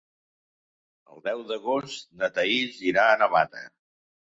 El deu d'agost na Thaís irà a Navata.